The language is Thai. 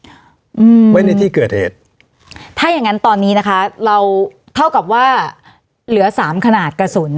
อืมไว้ในที่เกิดเหตุถ้าอย่างงั้นตอนนี้นะคะเราเท่ากับว่าเหลือสามขนาดกระสุน